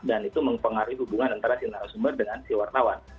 itu mempengaruhi hubungan antara si narasumber dengan si wartawan